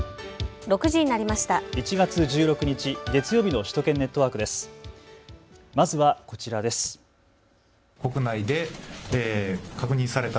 ６時になりました。